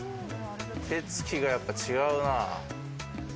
手つきがやっぱ違うな。